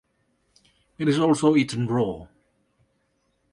It is also eaten raw.